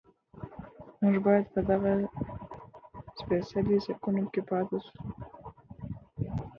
موږ باید په دغه سپېڅلي سکون کې پاتې شو.